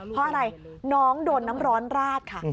เพราะอะไรน้องโดนน้ำร้อนราดค่ะ